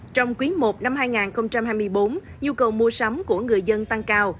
trong quý i năm hai nghìn hai mươi bốn nhu cầu mua sắm của người dân tăng cao